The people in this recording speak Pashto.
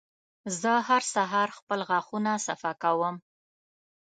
زه هر سهار خپل غاښونه صفا کوم.